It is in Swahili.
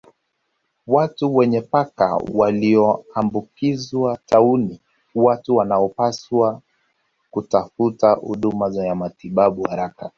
Watu wenye paka walioambukizwa tauni Watu wanaopaswa kutafuta huduma ya matibabu haraka